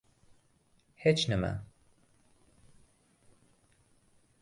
— Hech nima...